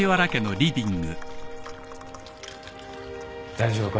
大丈夫か？